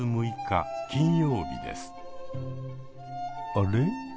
あれ？